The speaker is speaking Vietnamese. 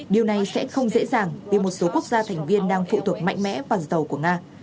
điều này sẽ không dễ dàng vì một số quốc gia thành viên đang phụ thuộc mạnh mẽ vào dầu của nga